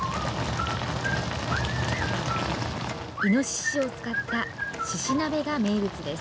いのししを使ったしし鍋が名物です。